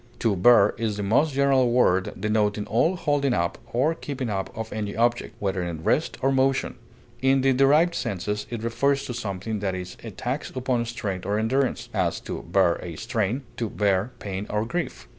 To bear is the most general word, denoting all holding up or keeping up of any object, whether in rest or motion; in the derived senses it refers to something that is a tax upon strength or endurance; as, to bear a strain; to bear pain or grief.